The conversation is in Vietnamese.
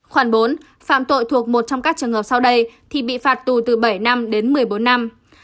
khoản bốn phạm tội thuộc một trong các trường hợp sau đây thì bị phạt tù từ bảy năm đến một mươi bốn năm